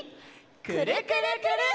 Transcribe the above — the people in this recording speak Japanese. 「くるくるくるっ」！